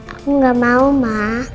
aku gak mau ma